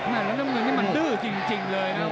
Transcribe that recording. นั่นมันดื้อจริงเลยนะ